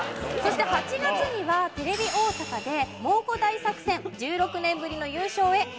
そして８月にはテレビ大阪で「猛虎大作戦１６年ぶりの優勝へ！」